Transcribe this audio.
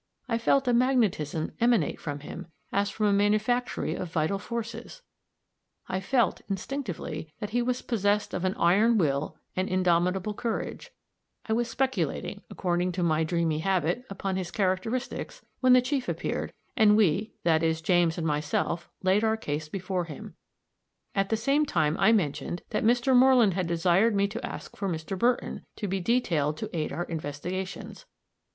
I felt a magnetism emanate from him, as from a manufactory of vital forces; I felt, instinctively, that he was possessed of an iron will and indomitable courage; I was speculating, according to my dreamy habit, upon his characteristics, when the chief appeared, and we, that is, James and myself, laid our case before him at the same time I mentioned that Mr. Moreland had desired me to ask for Mr. Burton to be detailed to aid our investigations.